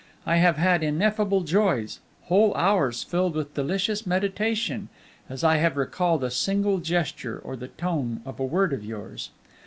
I have had ineffable joys, whole hours filled with delicious meditation, as I have recalled a single gesture or the tone of a word of yours.